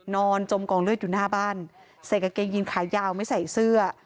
จมกองเลือดอยู่หน้าบ้านใส่กางเกงยีนขายาวไม่ใส่เสื้อ